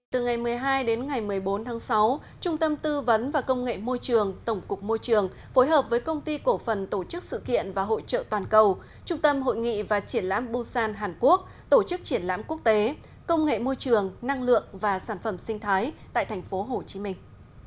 từ ngày một mươi hai đến ngày một mươi bốn tháng sáu trung tâm tư vấn và công nghệ môi trường tổng cục môi trường phối hợp với công ty cổ phần tổ chức sự kiện và hội trợ toàn cầu trung tâm hội nghị và triển lãm busan hàn quốc tổ chức triển lãm quốc tế công nghệ môi trường năng lượng và sản phẩm sinh thái tại thành phố hồ chí minh